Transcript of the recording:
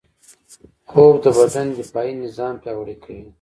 خوب د بدن دفاعي نظام پیاوړی کوي